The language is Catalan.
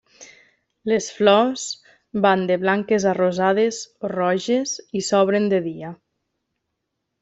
Les flors van de blanques a rosades o roges i s'obren de dia.